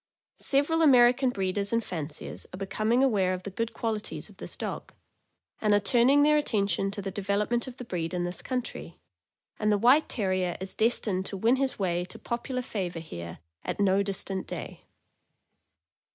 Several American breeders and fanciers are becoming aware of the good qualities of this dog, and are turning their attention to the development of the breed in this country, and the White Terrier is destined to win his way to popular favor here at no distant day.